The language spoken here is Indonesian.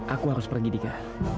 aku harus pergi dika